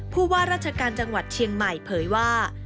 ผู้ว่าราชการจังหวัดเชียงใหม่เผยว่า